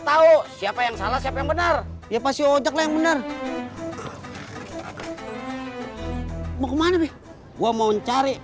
tahu siapa yang salah siapa yang benar ya pasti ojek lah yang benar mau kemana nih gue mau cari